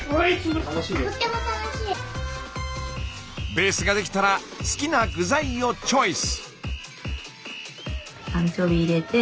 ベースが出来たら好きな具材をチョイス。